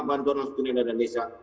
bantuan langsung tunai dana desa